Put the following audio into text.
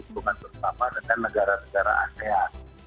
bersama dengan negara negara asean